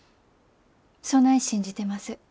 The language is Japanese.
そない信じてます。